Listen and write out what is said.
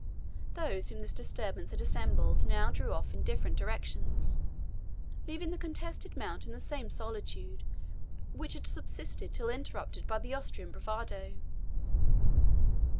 Those whom this disturbance had assembled now drew off in different directions, leaving the contested mount in the same solitude which had subsisted till interrupted by the Austrian bravado.